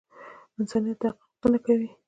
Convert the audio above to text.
انسانیت د حق غوښتنه کوي.